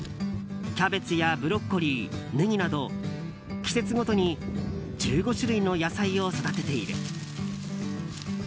キャベツやブロッコリーネギなど季節ごとに１５種類の野菜を育てている。